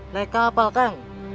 naik kapal kan